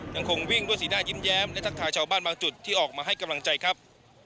ยังคงวิ่งด้วยสีหน้ายิ้มแย้มและทักทายชาวบ้านบางจุดที่ออกมาให้กำลังใจครับ